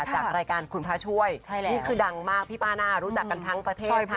จากรายการคุณพระช่วยนี่คือดังมากพี่ป้าน่ารู้จักกันทั้งประเทศค่ะ